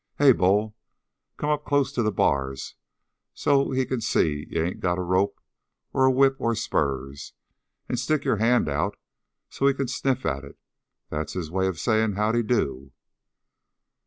Hey, Bull, come up close to the bars so's he can see you ain't got a rope or a whip or spurs, and stick your hand out so's he can sniff at it. That's his way of saying how d'ye do."